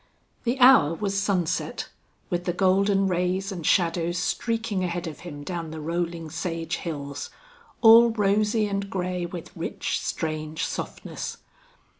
The hour was sunset, with the golden rays and shadows streaking ahead of him down the rolling sage hills, all rosy and gray with rich, strange softness.